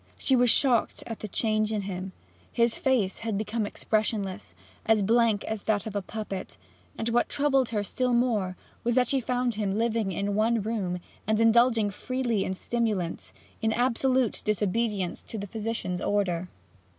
She was shocked at the change in him. His face had become expressionless, as blank as that of a puppet, and what troubled her still more was that she found him living in one room, and indulging freely in stimulants, in absolute disobedience to the physician's order.